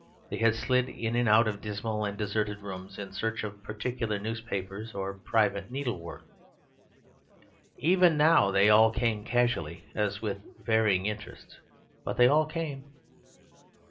They had slid in and out of dismal and deserted rooms in search of particular newspapers or private needlework. Even now they all came casually, as with varying interests; but they all came.